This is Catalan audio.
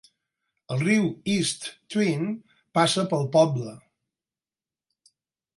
El riu East Twin passa pel poble.